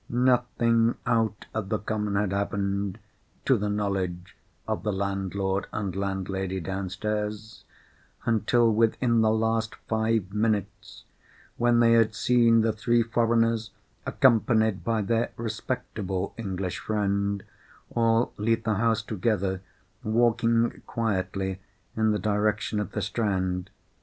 Nothing out of the common had happened, to the knowledge of the landlord and landlady downstairs, until within the last five minutes—when they had seen the three foreigners, accompanied by their respectable English friend, all leave the house together, walking quietly in the direction of the Strand.